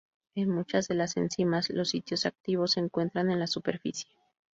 En muchas de las enzimas, los sitios activos se encuentran en la superficie.